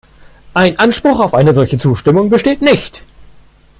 Ein Anspruch auf eine solche Zustimmung besteht nicht.